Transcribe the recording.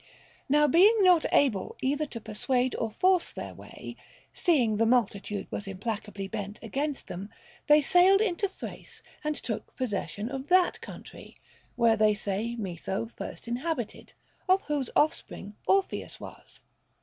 Now being not able either to persuade or force their way, seeing the multitude was implacably bent against them, they sailed into Thrace and took possession of that country, where they say Metho first inhabited, of whose offspring Orpheus was.